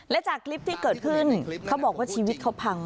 และจากคลิปที่เกิดขึ้นเขาบอกว่าชีวิตเขาพัง